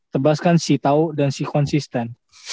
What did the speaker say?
tebas kan si tahu dan si konsisten